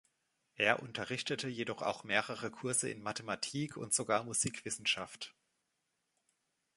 Er unterrichtete jedoch auch mehrere Kurse in Mathematik und sogar Musikwissenschaft.